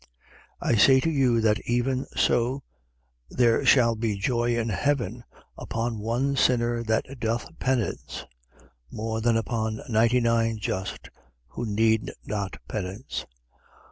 15:7. I say to you that even so there shall be joy in heaven upon one sinner that doth penance, more than upon ninety nine just who need not penance.